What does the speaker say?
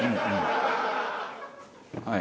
はい。